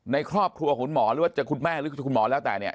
ในครอบครัวคุณหมอหรือว่าจะคุณแม่หรือคุณหมอแล้วแต่เนี่ย